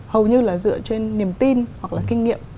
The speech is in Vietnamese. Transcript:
hầu như là dựa trên niềm tin hoặc là kinh nghiệm